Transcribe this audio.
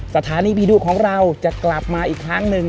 สถานีผีดุของเราจะกลับมาอีกครั้งหนึ่ง